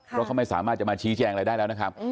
เพราะเขาไม่สามารถจะมาชี้แจงอะไรได้แล้วนะครับ